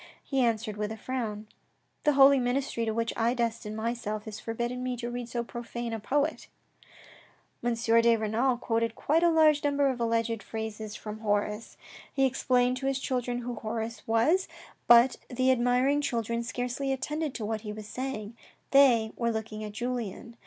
He answered with a frown. " The holy ministry to which I destine myself has forbidden me to read so profane a poet." M. de Renal quoted quite a large number of alleged verses from Horace. He explained to his children who Horace was, 3 34 THE RED AND THE BLACK but the admiring children, scarcely attended to what he was saying : they were looking at Julien.